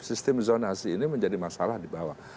sistem zonasi ini menjadi masalah di bawah